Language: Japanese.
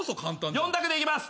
４択でいきます。